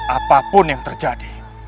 apapun yang terjadi